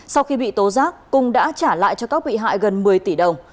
sau khi bị tố giác cung đã trả lại cho các bị hại gần một mươi tỷ đồng